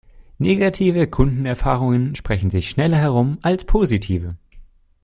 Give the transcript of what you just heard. Negative Kundenerfahrungen sprechen sich schneller herum als positive.